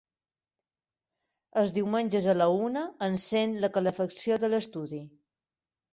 Els diumenges a la una encèn la calefacció de l'estudi.